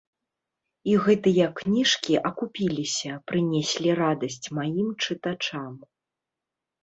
І гэтыя кніжкі акупіліся, прынеслі радасць маім чытачам.